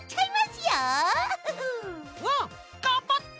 うわっがんばって！